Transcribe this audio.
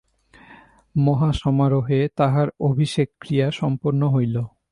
মহাসমারোহে তাঁহার অভিষেকক্রিয়া সম্পন্ন হইল।